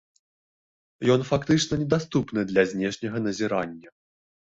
Ён фактычна недаступны для знешняга назірання.